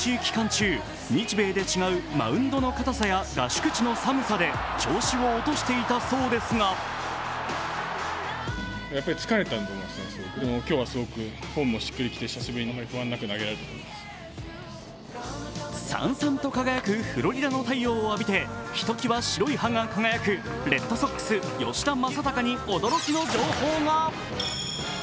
中日米で違うマウンドのかたさや合宿地の寒さで調子を落としていたそうですがさんさんと輝くフロリダの太陽を浴びて、ひときわ白い歯が輝くレッドソックス・吉田正尚に驚きの情報が！